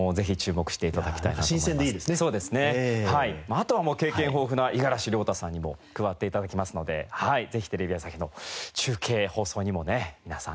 あとはもう経験豊富な五十嵐亮太さんにも加わって頂きますのでぜひテレビ朝日の中継放送にもね皆さん